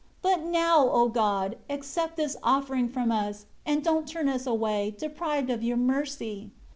But now, O God, accept this offering from us, and don't turn us away, deprived of Your mercy."